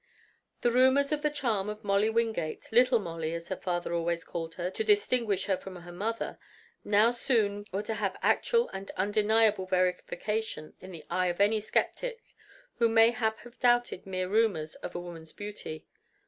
The rumors of the charm of Molly Wingate Little Molly, as her father always called her to distinguish her from her mother now soon were to have actual and undeniable verification to the eye of any skeptic who mayhap had doubted mere rumors of a woman's beauty.